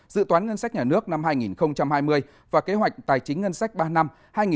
dự toán ngân sách nhà nước năm hai nghìn hai mươi và kế hoạch tài chính ngân sách ba năm hai nghìn hai mươi một hai nghìn hai mươi